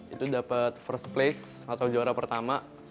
itu dapat first place atau juara pertama